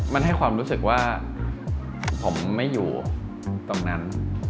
มันให้ความรู้สึกว่าผมไม่อยู่ตรงนั้น